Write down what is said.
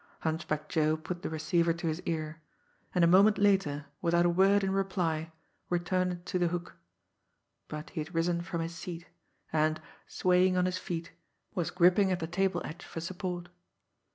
Hunchback Joe put the receiver to his ear and a moment later, without a word in reply, returned it to the hook. But he had risen from his seat, and, swaying on his feet, was gripping at the table edge for support.